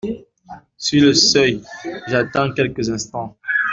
Sur le seuil, j’attends quelques instants.